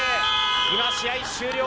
今、試合終了。